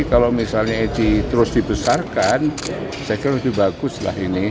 kalau misalnya terus dibesarkan saya kira lebih bagus lah ini